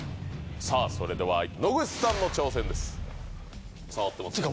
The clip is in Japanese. さぁそれでは野口さんの挑戦です。